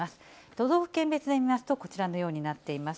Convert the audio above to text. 都道府県別で見ますと、こちらのようになっています。